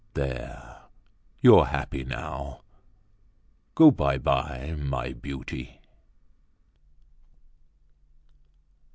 There, you're happy now. Go by by, my beauty!"